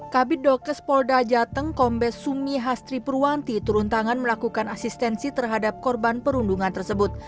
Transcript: kabit dokes polda jateng kombes sumi hastri purwanti turun tangan melakukan asistensi terhadap korban perundungan tersebut